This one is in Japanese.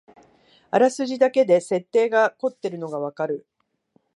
あらすじだけで設定がこってるのがわかる